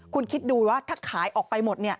คุณคิดดูว่าถ้าขายออกไปหมด